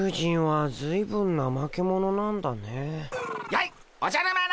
やいおじゃる丸！